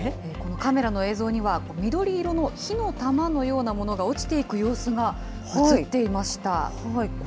カメラの映像には、緑色の火の玉のようなものが落ちていく様子が映っていました。